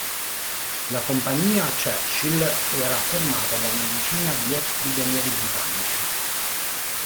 La compagnia “Churchill” era formata da una decina di ex prigionieri britannici.